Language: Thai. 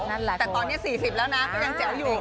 แต่ตอนนี้๔๐แล้วนะยังแจ๋วอยู่